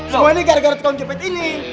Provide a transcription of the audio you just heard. semua ini gara gara tukang cepat ini